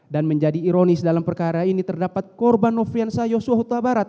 dan menjadi ironis dalam perkara ini terdapat korban nofrianza yosuahutabarat